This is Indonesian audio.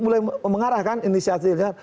mulai mengarahkan inisiatifnya